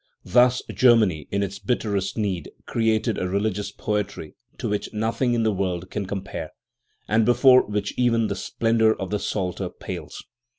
Thus Germany, in its bitterest need, created a religious poetry to which no thing in the world can compare, and before which even the splendour of the Psalter pales.